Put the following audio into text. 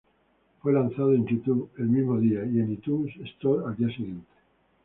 Fue lanzado en YouTube el mismo día y en iTunes Store al día siguiente.